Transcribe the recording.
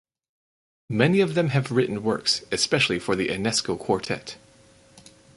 Many of them have written works especially for the Enesco Quartet.